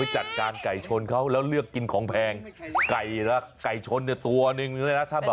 จัดการไก่ชนเขาแล้วเลือกกินของแพงไก่ละไก่ชนเนี่ยตัวหนึ่งเลยนะถ้าแบบ